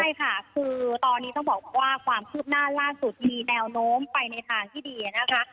ใช่ค่ะคือตอนนี้ต้องบอกว่าความคืบหน้าล่าสุดมีแนวโน้มไปในทางที่ดีนะคะ